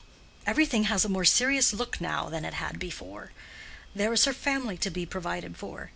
"Everything has a more serious look now than it had before. There is her family to be provided for.